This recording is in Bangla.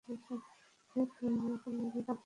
ডান্স ফ্লোরে আগুন লাগিয়ে দাও।